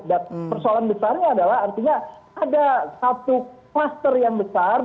dan persoalan besarnya adalah artinya ada satu klaster yang besar